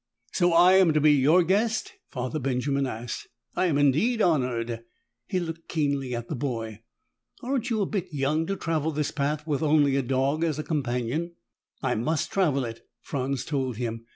"So I am to be your guest?" Father Benjamin asked. "I am indeed honored." He looked keenly at the boy. "Aren't you a bit young to travel this path with only a dog as companion?" "I must travel it," Franz told him.